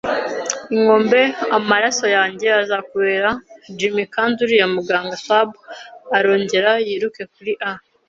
inkombe, amaraso yanjye azakubera, Jim, kandi uriya muganga swab ”; arongera yiruka kuri a